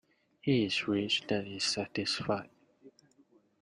He is rich that is satisfied.